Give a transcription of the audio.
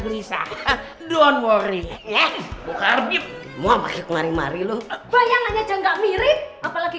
gerisak don't worry ya buka rib mau pakai kemari mari lu bayang aja nggak mirip apalagi